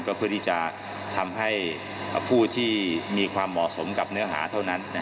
เพื่อที่จะทำให้ผู้ที่มีความเหมาะสมกับเนื้อหาเท่านั้น